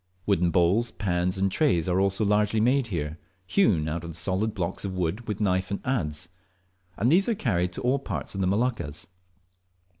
Wooden bowls, pans, and trays are also largely made here, hewn out of solid blocks of wood with knife and adze; and these are carried to all parts of the Moluccas.